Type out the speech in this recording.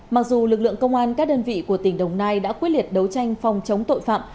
mặc dù lực lượng công an các đơn vị của tỉnh đồng nai đã quyết liệt đấu tranh phòng chống tội phạm